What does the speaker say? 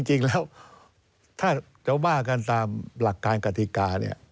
จริงแล้วถ้าจะว่ากันตามหลักการกติกาเนี่ย